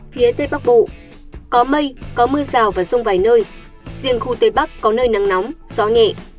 phía tây bắc bộ có mây có mưa rào và rông vài nơi riêng khu tây bắc có nơi nắng nóng gió nhẹ